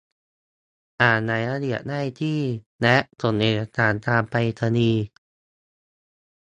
อ่านรายละเอียดได้ที่ และส่งเอกสารทางไปรษณีย์